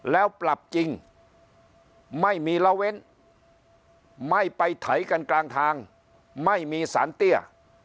แล้วปรับจริงไม่มีละเว้นไม่ไปไถกันกลางทางไม่มีสารเตี้ย